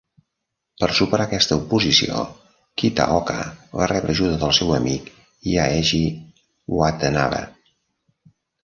Per superar aquesta oposició, Kitaoka va rebre ajuda del seu amic Yaeji Watanabe.